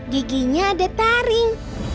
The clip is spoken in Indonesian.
giginya ada taring